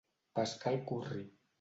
Pescar al curri.